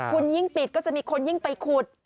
คุณยิ่งปิดก็จะมีคนยิ่งไปขุด